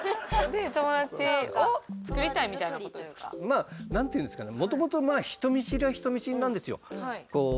まあなんていうんですかね。